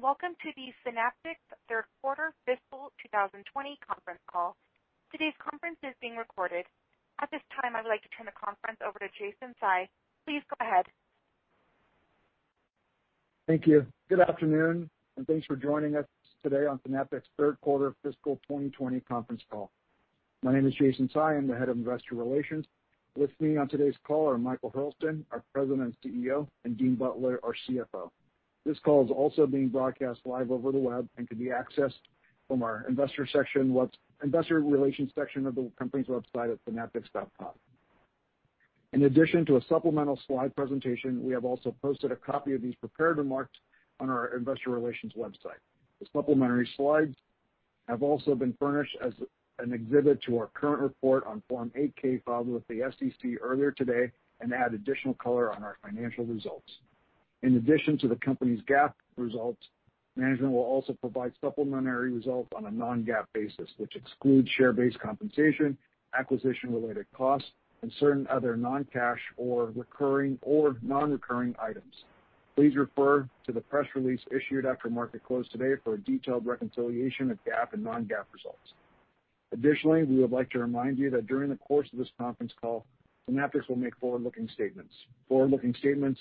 Welcome to the Synaptics Third Quarter Fiscal 2020 Conference Call. Today's conference is being recorded. At this time, I would like to turn the conference over to Jason Tsai. Please go ahead. Thank you. Good afternoon, thanks for joining us today on Synaptics' third quarter fiscal 2020 conference call. My name is Jason Tsai, I'm the Head of Investor Relations. With me on today's call are Michael Hurlston, our President and CEO, and Dean Butler, our CFO. This call is also being broadcast live over the web and can be accessed from our Investor Relations section of the company's website at synaptics.com. In addition to a supplemental slide presentation, we have also posted a copy of these prepared remarks on our Investor Relations website. The supplementary slides have also been furnished as an exhibit to our current report on Form 8-K filed with the SEC earlier today and add additional color on our financial results. In addition to the Company's GAAP results, management will also provide supplementary results on a non-GAAP basis, which excludes share-based compensation, acquisition-related costs, and certain other non-cash or non-recurring items. Please refer to the press release issued after market close today for a detailed reconciliation of GAAP and non-GAAP results. We would like to remind you that during the course of this conference call, Synaptics will make forward-looking statements. Forward-looking statements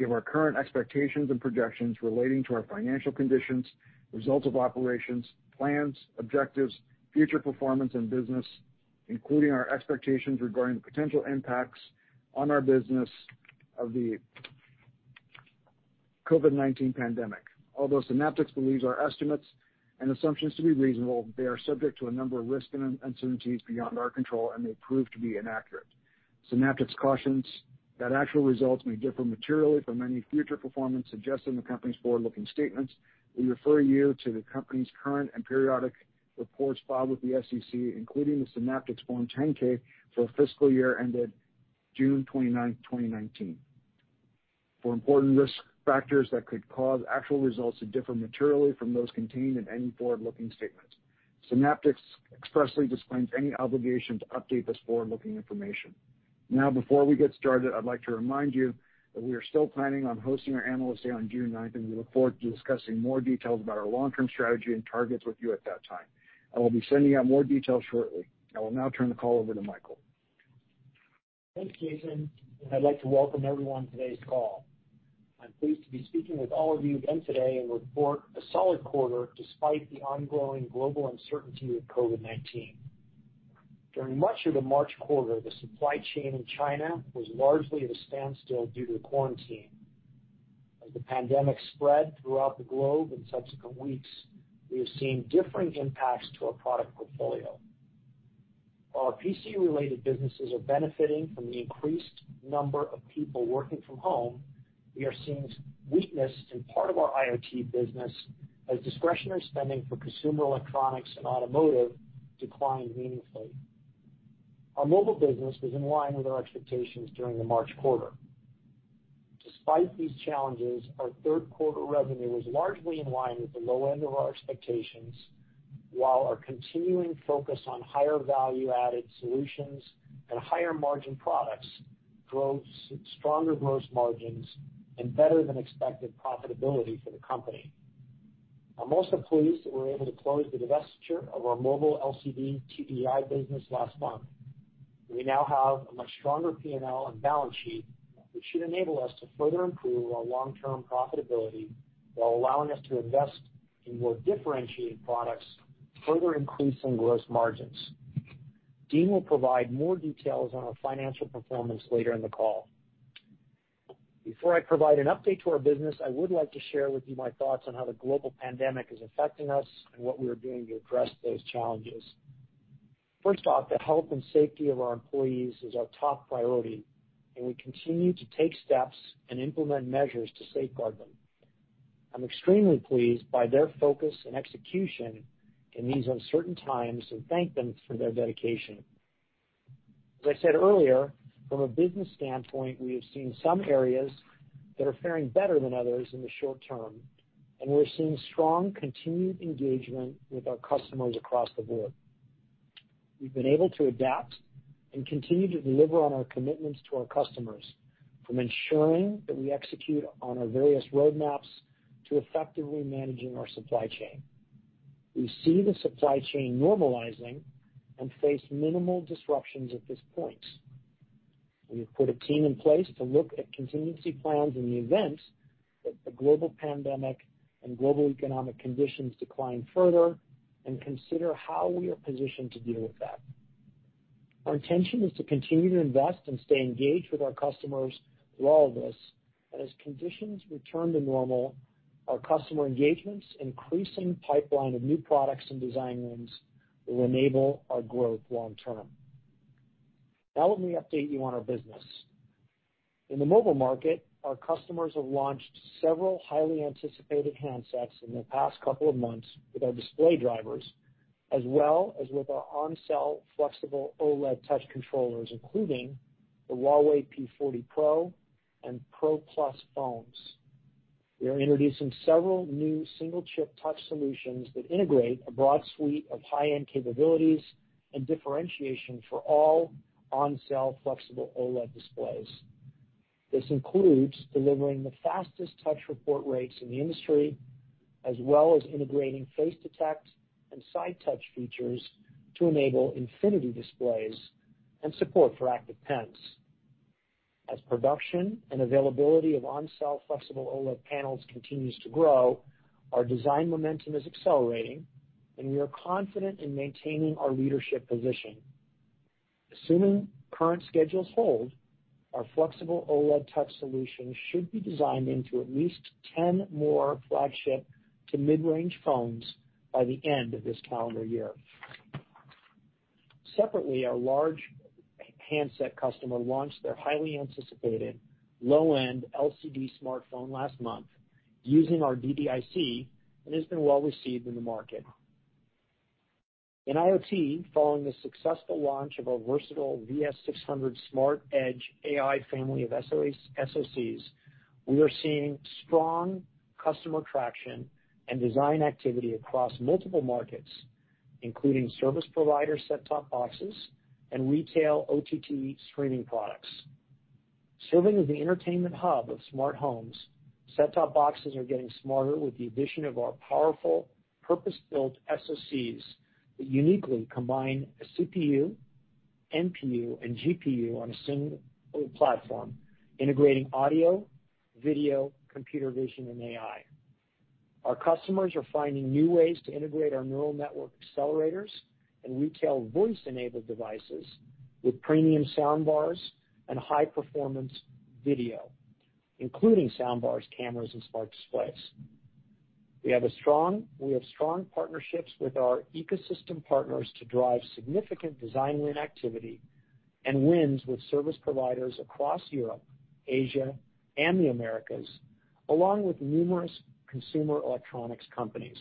give our current expectations and projections relating to our financial conditions, results of operations, plans, objectives, future performance and business, including our expectations regarding the potential impacts on our business of the COVID-19 pandemic. Although Synaptics believes our estimates and assumptions to be reasonable, they are subject to a number of risks and uncertainties beyond our control and may prove to be inaccurate. Synaptics cautions that actual results may differ materially from any future performance suggested in the Company's forward-looking statements. We refer you to the Company's current and periodic reports filed with the SEC, including the Synaptics Form 10-K for fiscal year ended June 29th, 2019, for important risk factors that could cause actual results to differ materially from those contained in any forward-looking statement. Synaptics expressly disclaims any obligation to update this forward-looking information. Now, before we get started, I'd like to remind you that we are still planning on hosting our Analyst Day on June 9th, and we look forward to discussing more details about our long-term strategy and targets with you at that time. I will be sending out more details shortly. I will now turn the call over to Michael. Thanks, Jason, and I'd like to welcome everyone on today's call. I'm pleased to be speaking with all of you again today and report a solid quarter despite the ongoing global uncertainty with COVID-19. During much of the March quarter, the supply chain in China was largely at a standstill due to the quarantine. As the pandemic spread throughout the globe in subsequent weeks, we have seen differing impacts to our product portfolio. While our PC-related businesses are benefiting from the increased number of people working from home, we are seeing weakness in part of our IoT business as discretionary spending for consumer electronics and automotive declined meaningfully. Our mobile business was in line with our expectations during the March quarter. Despite these challenges, our third quarter revenue was largely in line with the low-end of our expectations, while our continuing focus on higher value-added solutions and higher margin products drove stronger gross margins and better than expected profitability for the company. I'm also pleased that we were able to close the divestiture of our mobile LCD TDDI business last month. We now have a much stronger P&L and balance sheet, which should enable us to further improve our long-term profitability while allowing us to invest in more differentiated products, further increasing gross margins. Dean will provide more details on our financial performance later in the call. Before I provide an update to our business, I would like to share with you my thoughts on how the global pandemic is affecting us and what we are doing to address those challenges. First off, the health and safety of our employees is our top priority, and we continue to take steps and implement measures to safeguard them. I'm extremely pleased by their focus and execution in these uncertain times and thank them for their dedication. As I said earlier, from a business standpoint, we have seen some areas that are faring better than others in the short term, and we are seeing strong continued engagement with our customers across the board. We've been able to adapt and continue to deliver on our commitments to our customers, from ensuring that we execute on our various roadmaps to effectively managing our supply chain. We see the supply chain normalizing and face minimal disruptions at this point. We have put a team in place to look at contingency plans in the event that the global pandemic and global economic conditions decline further and consider how we are positioned to deal with that. Our intention is to continue to invest and stay engaged with our customers through all of this, and as conditions return to normal, our customer engagements, increasing pipeline of new products and design wins will enable our growth long term. Now let me update you on our business. In the mobile market, our customers have launched several highly anticipated handsets in the past couple of months with our display drivers, as well as with our on-cell flexible OLED touch controllers, including the Huawei P40 Pro and P40 Pro+ phones. We are introducing several new single-chip touch solutions that integrate a broad suite of high-end capabilities and differentiation for all on-cell flexible OLED displays. This includes delivering the fastest touch report rates in the industry, as well as integrating Face Detect and Side Touch features to enable infinity displays and support for active pens. As production and availability of on-cell flexible OLED panels continues to grow, our design momentum is accelerating, and we are confident in maintaining our leadership position. Assuming current schedules hold, our flexible OLED touch solution should be designed into at least 10 more flagship to mid-range phones by the end of this calendar year. Separately, our large handset customer launched their highly anticipated low-end LCD smartphone last month using our DDIC, and it's been well-received in the market. In IoT, following the successful launch of our versatile VS600 Smart Edge AI family of SoCs, we are seeing strong customer traction and design activity across multiple markets, including service provider set-top boxes and retail OTT streaming products. Serving as the entertainment hub of smart homes, set-top boxes are getting smarter with the addition of our powerful purpose-built SoCs that uniquely combine a CPU, NPU, and GPU on a single platform, integrating audio, video, computer vision, and AI. Our customers are finding new ways to integrate our neural network accelerators and retail voice-enabled devices with premium soundbars and high-performance video, including soundbars, cameras, and smart displays. We have strong partnerships with our ecosystem partners to drive significant design win activity and wins with service providers across Europe, Asia, and the Americas, along with numerous consumer electronics companies.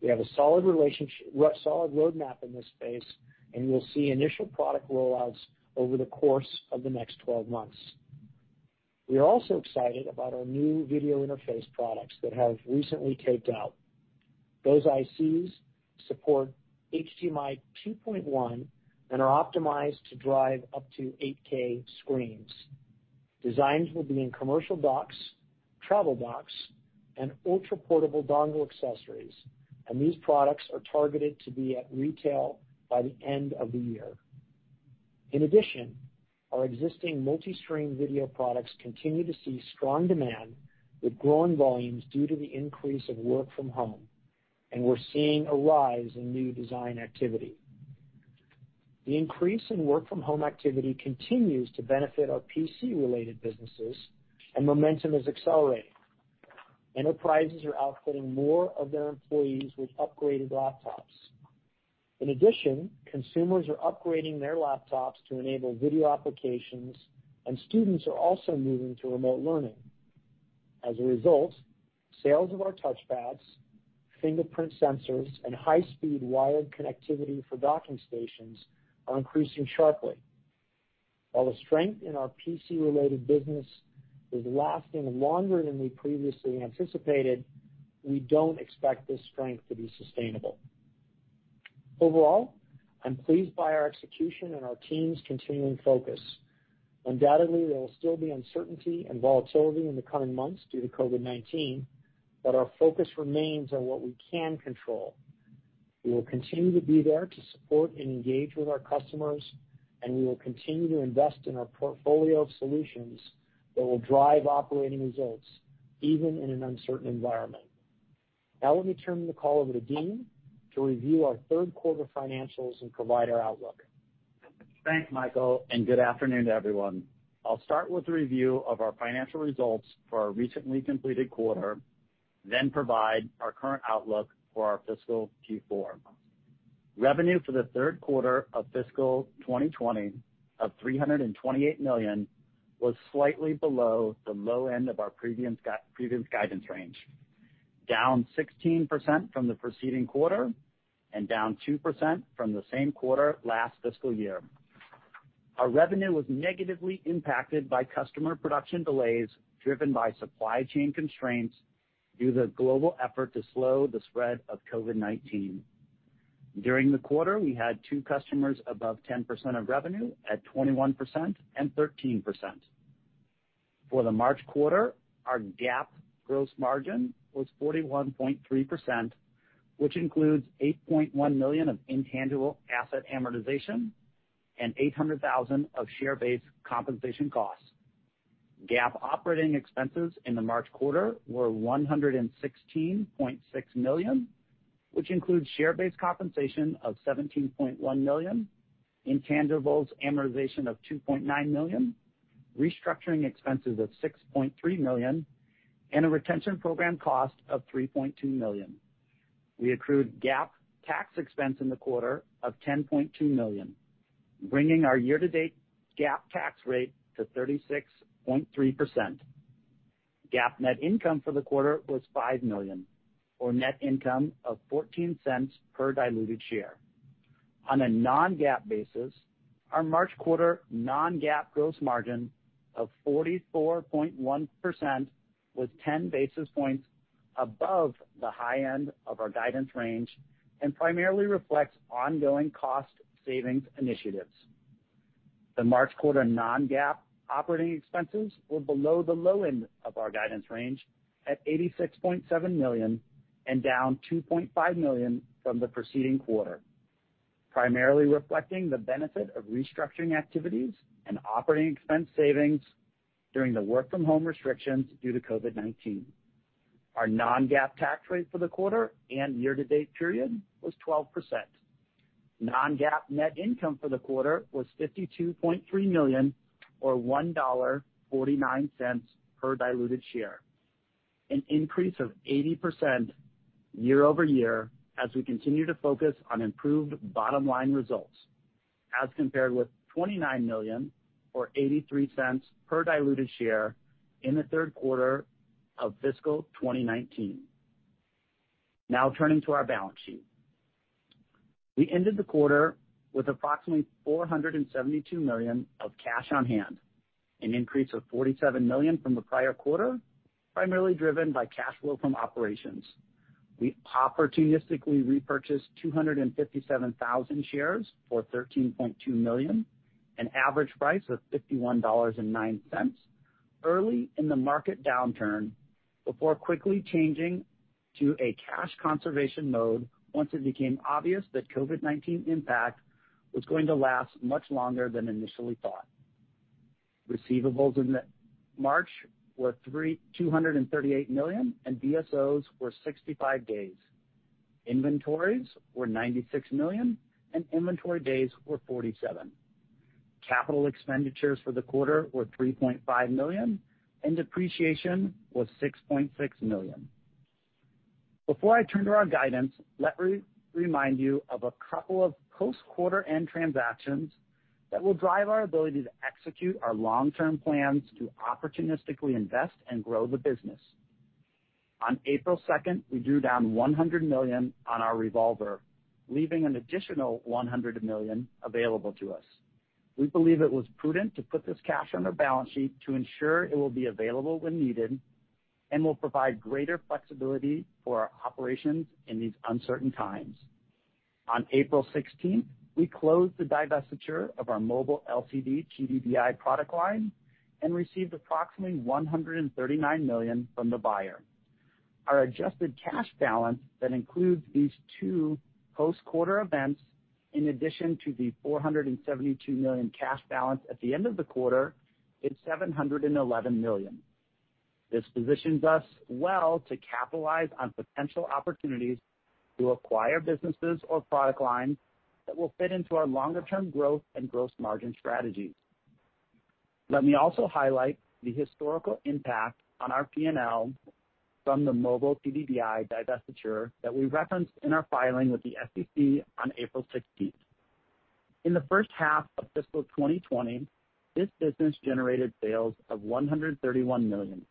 We have a solid roadmap in this space, and you'll see initial product roll-outs over the course of the next 12 months. We are also excited about our new video interface products that have recently taped out. Those ICs support HDMI 2.1 and are optimized to drive up to 8K screens. Designs will be in commercial docks, travel docks, and ultra-portable dongle accessories, and these products are targeted to be at retail by the end of the year. In addition, our existing multi-stream video products continue to see strong demand with growing volumes due to the increase of work from home, and we're seeing a rise in new design activity. The increase in work-from-home activity continues to benefit our PC-related businesses, and momentum is accelerating. Enterprises are outfitting more of their employees with upgraded laptops. In addition, consumers are upgrading their laptops to enable video applications, and students are also moving to remote learning. As a result, sales of our touchpads, fingerprint sensors, and high-speed wired connectivity for docking stations are increasing sharply. While the strength in our PC-related business is lasting longer than we previously anticipated, we don't expect this strength to be sustainable. Overall, I'm pleased by our execution and our team's continuing focus. Undoubtedly, there will still be uncertainty and volatility in the coming months due to COVID-19, but our focus remains on what we can control. We will continue to be there to support and engage with our customers, and we will continue to invest in our portfolio of solutions that will drive operating results even in an uncertain environment. Now let me turn the call over to Dean to review our third quarter financials and provide our outlook. Thanks, Michael. Good afternoon to everyone. I'll start with a review of our financial results for our recently completed quarter, then provide our current outlook for our fiscal Q4. Revenue for the third quarter of fiscal 2020 of $328 million was slightly below the low end of our previous guidance range. Down 16% from the preceding quarter and down 2% from the same quarter last fiscal year. Our revenue was negatively impacted by customer production delays driven by supply chain constraints due to the global effort to slow the spread of COVID-19. During the quarter, we had two customers above 10% of revenue at 21% and 13%. For the March quarter, our GAAP gross margin was 41.3%, which includes $8.1 million of intangible asset amortization and $800,000 of share-based compensation costs. GAAP operating expenses in the March quarter were $116.6 million, which includes share-based compensation of $17.1 million, intangibles amortization of $2.9 million, restructuring expenses of $6.3 million, and a retention program cost of $3.2 million. We accrued GAAP tax expense in the quarter of $10.2 million, bringing our year-to-date GAAP tax rate to 36.3%. GAAP net income for the quarter was $5 million, or net income of $0.14 per diluted share. On a non-GAAP basis, our March quarter non-GAAP gross margin of 44.1% was 10 basis points above the high end of our guidance range and primarily reflects ongoing cost savings initiatives. The March quarter non-GAAP operating expenses were below the low end of our guidance range at $86.7 million and down $2.5 million from the preceding quarter, primarily reflecting the benefit of restructuring activities and operating expense savings during the work-from-home restrictions due to COVID-19. Our non-GAAP tax rate for the quarter and year-to-date period was 12%. Non-GAAP net income for the quarter was $52.3 million or $1.49 per diluted share, an increase of 80% year-over-year as we continue to focus on improved bottom-line results as compared with $29 million or $0.83 per diluted share in the third quarter of fiscal 2019. Turning to our balance sheet. We ended the quarter with approximately $472 million of cash on hand, an increase of $47 million from the prior quarter, primarily driven by cash flow from operations. We opportunistically repurchased 257,000 shares for $13.2 million, an average price of $51.09, early in the market downturn before quickly changing to a cash conservation mode once it became obvious that COVID-19 impact was going to last much longer than initially thought. Receivables in March were $238 million, and DSOs were 65 days. Inventories were $96 million, and inventory days were 47. Capital expenditures for the quarter were $3.5 million, and depreciation was $6.6 million. Before I turn to our guidance, let me remind you of a couple of post-quarter end transactions that will drive our ability to execute our long-term plans to opportunistically invest and grow the business. On April 2nd, we drew down $100 million on our revolver, leaving an additional $100 million available to us. We believe it was prudent to put this cash on our balance sheet to ensure it will be available when needed and will provide greater flexibility for our operations in these uncertain times. On April 16th, we closed the divestiture of our mobile LCD TDDI product line and received approximately $139 million from the buyer. Our adjusted cash balance that includes these two post-quarter events, in addition to the $472 million cash balance at the end of the quarter, is $711 million. This positions us well to capitalize on potential opportunities to acquire businesses or product lines that will fit into our longer-term growth and gross margin strategies. Let me also highlight the historical impact on our P&L from the mobile TDDI divestiture that we referenced in our filing with the SEC on April 16th. In the first half of fiscal 2020, this business generated sales of $131 million,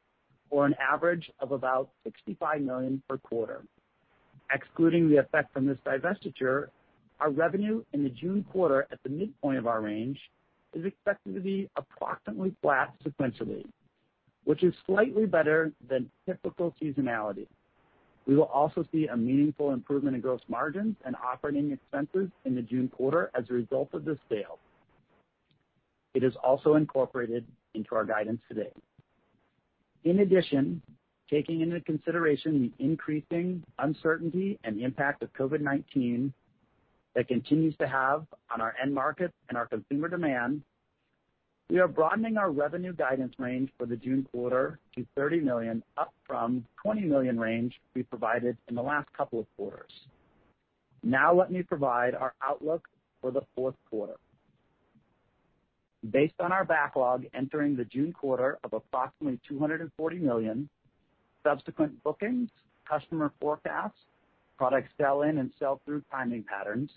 or an average of about $65 million per quarter. Excluding the effect from this divestiture, our revenue in the June quarter at the midpoint of our range is expected to be approximately flat sequentially, which is slightly better than typical seasonality. We will also see a meaningful improvement in gross margins and operating expenses in the June quarter as a result of this sale. It is also incorporated into our guidance today. In addition, taking into consideration the increasing uncertainty and impact of COVID-19 that continues to have on our end-markets and our consumer demand, we are broadening our revenue guidance range for the June quarter to $30 million, up from $20 million range we provided in the last couple of quarters. Now, let me provide our outlook for the fourth quarter. Based on our backlog entering the June quarter of approximately $240 million, subsequent bookings, customer forecasts, product sell-in and sell-through timing patterns,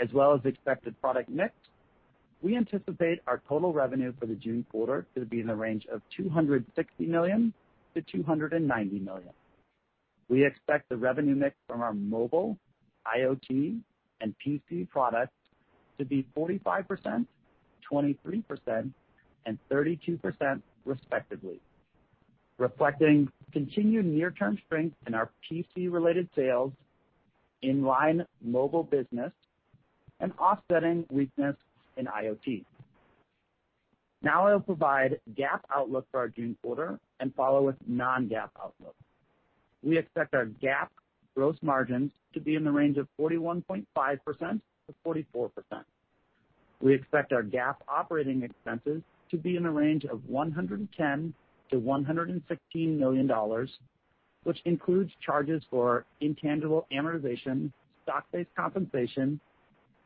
as well as expected product mix, we anticipate our total revenue for the June quarter to be in the range of $260 million-$290 million. We expect the revenue mix from our mobile, IoT, and PC products to be 45%, 23%, and 32% respectively, reflecting continued near-term strength in our PC-related sales, in-line mobile business, and offsetting weakness in IoT. Now I will provide GAAP outlook for our June quarter and follow with non-GAAP outlook. We expect our GAAP gross margins to be in the range of 41.5%-44%. We expect our GAAP operating expenses to be in the range of $110 million-$116 million, which includes charges for intangible amortization, stock-based compensation,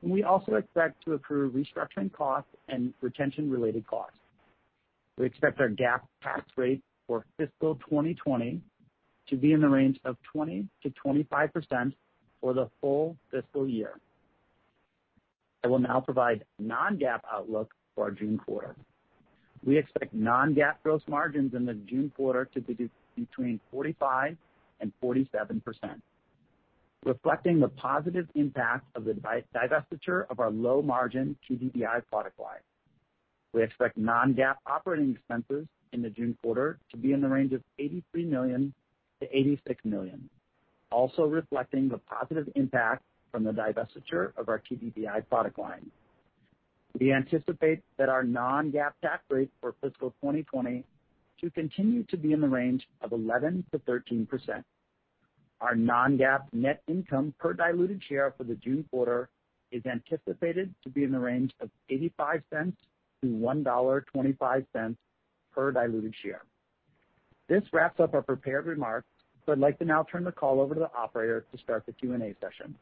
and we also expect to accrue restructuring costs and retention-related costs. We expect our GAAP tax rate for fiscal 2020 to be in the range of 20%-25% for the full fiscal year. I will now provide non-GAAP outlook for our June quarter. We expect non-GAAP gross margins in the June quarter to be between 45%-47%. Reflecting the positive impact of the divestiture of our low-margin TDDI product line. We expect non-GAAP operating expenses in the June quarter to be in the range of $83 million-$86 million, also reflecting the positive impact from the divestiture of our TDDI product line. We anticipate that our non-GAAP tax rate for fiscal 2020 to continue to be in the range of 11%-13%. Our non-GAAP net income per diluted share for the June quarter is anticipated to be in the range of $0.85-$1.25 per diluted share. This wraps up our prepared remarks. I'd like to now turn the call over to the operator to start the Q&A session.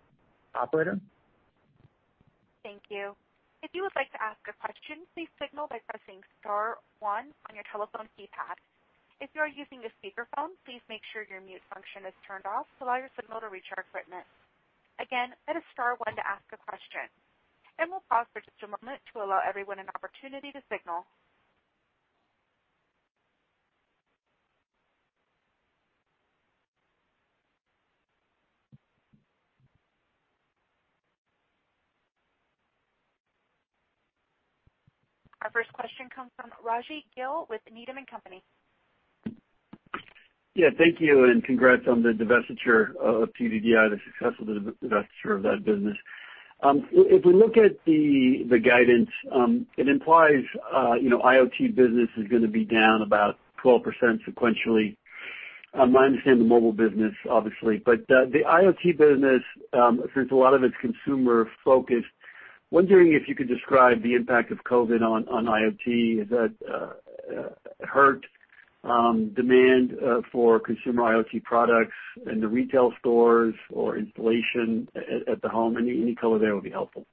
Operator? Thank you. If you would like to ask a question, please signal by pressing star one on your telephone keypad. If you are using a speakerphone, please make sure your mute function is turned off to allow your signal to reach our equipment. Again, hit star one to ask a question. We'll pause for just a moment to allow everyone an opportunity to signal. Our first question comes from Raji Gill with Needham & Company. Yeah. Thank you, and congrats on the divestiture of TDDI, the successful divestiture of that business. If we look at the guidance, it implies IoT business is going to be down about 12% sequentially. I understand the mobile business, obviously, but the IoT business since a lot of it's consumer focused, wondering if you could describe the impact of COVID on IoT? Has that hurt demand for consumer IoT products in the retail stores or installation at the home? Any color there would be helpful.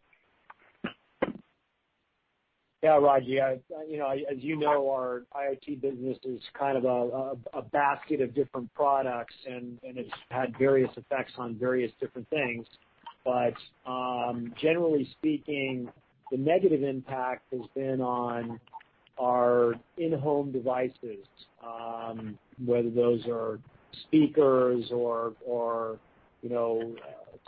Yeah, Raji. As you know, our IoT business is kind of a basket of different products. It's had various effects on various different things. Generally speaking, the negative impact has been on our in-home devices, whether those are speakers or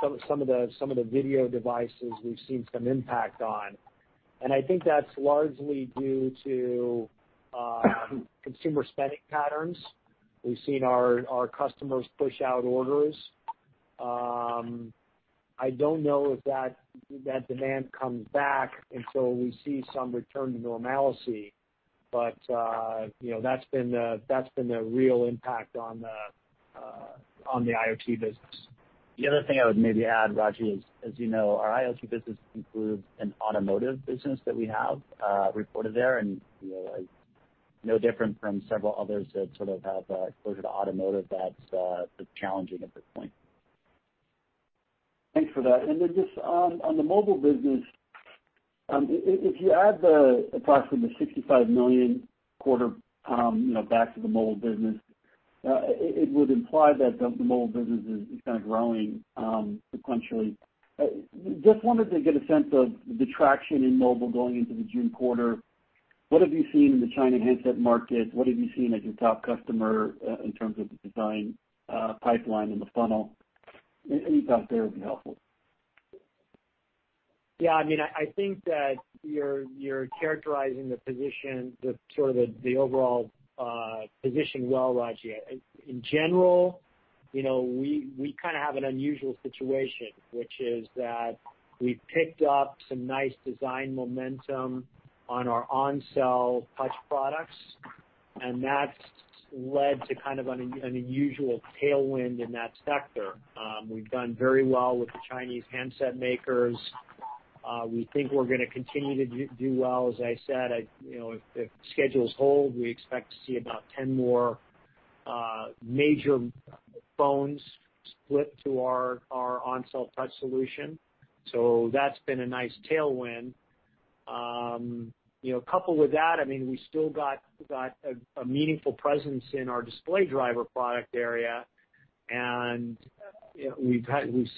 some of the video devices we've seen some impact on. I think that's largely due to consumer spending patterns. We've seen our customers push out orders. I don't know if that demand comes back until we see some return to normalcy. That's been the real impact on the IoT business. The other thing I would maybe add, Raji, is, as you know, our IoT business includes an automotive business that we have reported there. No different from several others that sort of have exposure to automotive, that's challenging at this point. Thanks for that. Just on the mobile business, if you add the approximately $65 million quarter back to the mobile business, it would imply that the mobile business is kind of growing sequentially. Just wanted to get a sense of the traction in mobile going into the June quarter. What have you seen in the China handset market? What have you seen at your top customer in terms of the design pipeline in the funnel? Any thoughts there would be helpful. Yeah, I think that you're characterizing the position, the sort of the overall position well, Raji. In general, we kind of have an unusual situation, which is that we picked up some nice design momentum on our on-cell touch products, and that's led to kind of an unusual tailwind in that sector. We've done very well with the Chinese handset makers. We think we're going to continue to do well. As I said, if schedules hold, we expect to see about 10 more major phones split to our on-cell touch solution. That's been a nice tailwind. Coupled with that, we still got a meaningful presence in our display driver product area, and we've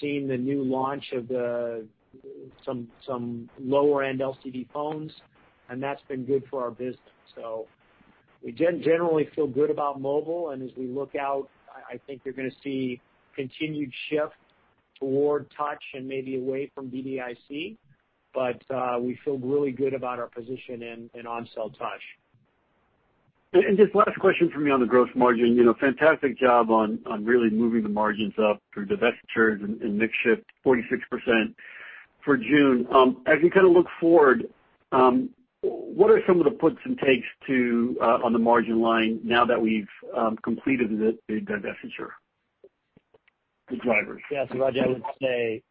seen the new launch of some lower-end LCD phones, and that's been good for our business. We generally feel good about mobile, and as we look out, I think you're going to see continued shift toward touch and maybe away from DDIC. We feel really good about our position in on-cell touch. Just last question for me on the gross margin. Fantastic job on really moving the margins up through divestitures and mix shift, 46% for June. As we kind of look forward, what are some of the puts and takes too on the margin line now that we've completed the divestiture? The drivers. Raji, I would say,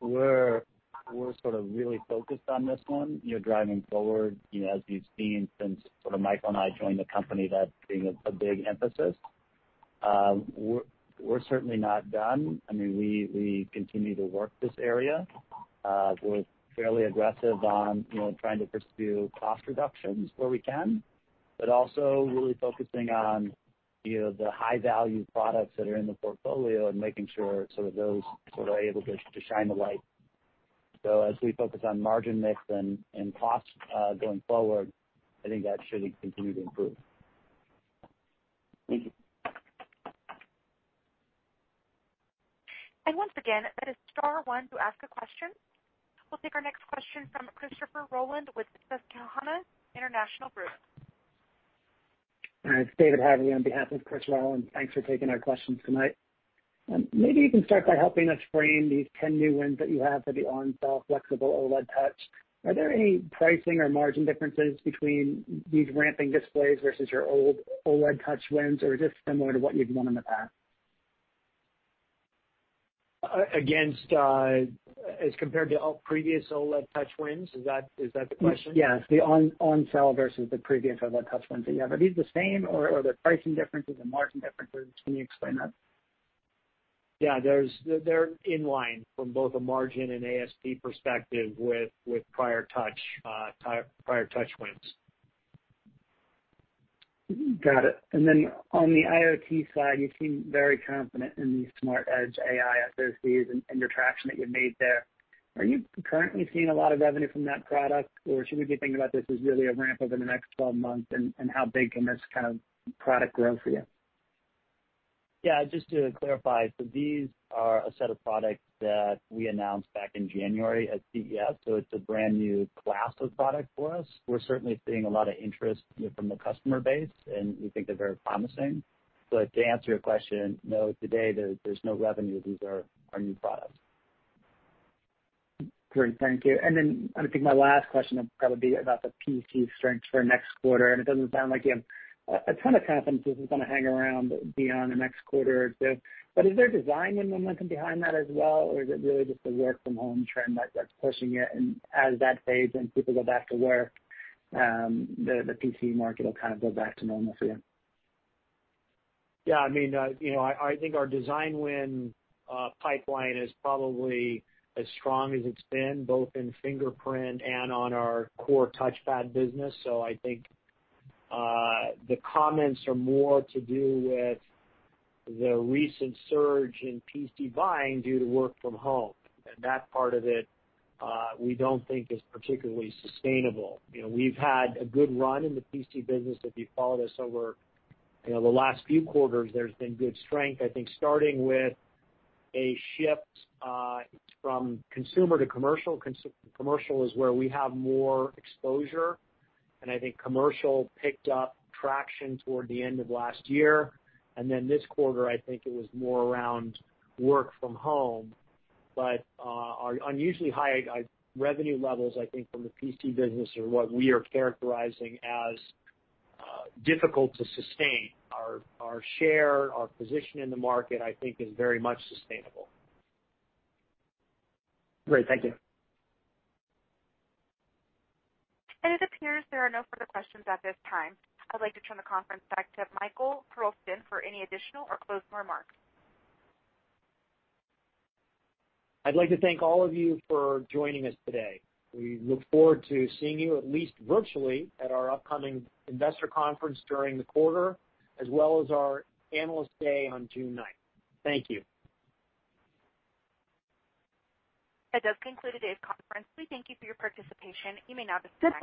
we're sort of really focused on this one, driving forward as you've seen since Michael and I joined the company, that's been a big emphasis. We're certainly not done. We continue to work this area. We're fairly aggressive on trying to pursue cost reductions where we can, but also really focusing on the high-value products that are in the portfolio and making sure those are able to shine the light. As we focus on margin mix and cost going forward, I think that should continue to improve. Thank you. Once again, that is star one to ask a question. We will take our next question from Christopher Rolland with Susquehanna International Group. Hi, it's David Haberle on behalf of Chris Rolland. Thanks for taking our questions tonight. Maybe you can start by helping us frame these 10 new wins that you have for the on-cell flexible OLED touch. Are there any pricing or margin differences between these ramping displays versus your old OLED touch wins, or is this similar to what you've done in the past? As compared to all previous OLED touch wins? Is that the question? Yes. The on-cell versus the previous OLED touch wins that you have, are these the same, or are there pricing differences or margin differences? Can you explain that? Yeah. They're in line from both a margin and ASP perspective with prior touch wins. Got it. On the IoT side, you seem very confident in these Smart Edge AI SoCs and your traction that you've made there. Are you currently seeing a lot of revenue from that product, or should we be thinking about this as really a ramp over the next 12 months, and how big can this kind of product grow for you? Just to clarify, these are a set of products that we announced back in January at CES, so it's a brand new class of product for us. We're certainly seeing a lot of interest from the customer base, and we think they're very promising. To answer your question, no, today, there's no revenue. These are our new products. Great. Thank you. I think my last question would probably be about the PC strength for next quarter. It doesn't sound like you have a ton of confidence this is going to hang around beyond the next quarter or two. Is there design momentum behind that as well, or is it really just the work from home trend that's pushing it. As that fades and people go back to work, the PC market will kind of go back to normal for you? Yeah. I think our design win pipeline is probably as strong as it's been, both in fingerprint and on our core touchpad business. I think, the comments are more to do with the recent surge in PC buying due to work from home. That part of it, we don't think is particularly sustainable. We've had a good run in the PC business. If you followed us over the last few quarters, there's been good strength, I think, starting with a shift from consumer to commercial. Commercial is where we have more exposure, and I think commercial picked up traction toward the end of last year. This quarter, I think it was more around work from home. Our unusually high revenue levels, I think, from the PC business are what we are characterizing as difficult to sustain. Our share, our position in the market, I think is very much sustainable. Great. Thank you. It appears there are no further questions at this time. I'd like to turn the conference back to Michael Hurlston for any additional or closing remarks. I'd like to thank all of you for joining us today. We look forward to seeing you at least virtually at our upcoming investor conference during the quarter, as well as our Analyst Day on June 9th. Thank you. That does conclude today's conference. We thank you for your participation. You may now disconnect.